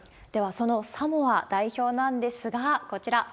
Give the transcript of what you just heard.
そのサモア代表なんですが、こちら。